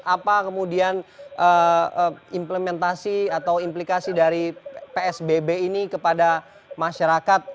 apa kemudian implementasi atau implikasi dari psbb ini kepada masyarakat